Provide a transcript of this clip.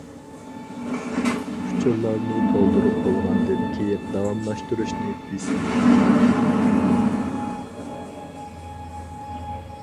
ئۇچۇرلارنى تولدۇرۇپ بولغاندىن كىيىن داۋاملاشتۇرۇشنى بېسىڭ.